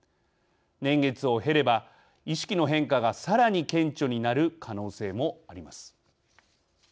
年月を経れば、意識の変化がさらに顕著になる可能性もあります。